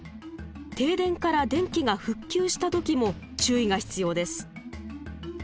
停電から電気が復旧した時も注意が必要です。